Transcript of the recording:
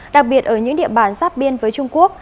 đặc biệt ở những địa bàn giáp biên với trung quốc